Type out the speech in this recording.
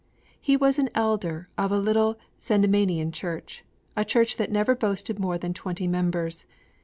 He was an elder of a little Sandemanian Church a church that never boasted more than twenty members.